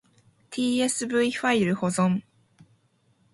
tsv ファイル保存